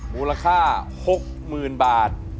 มูลค่า๖๐๐๐๐บาท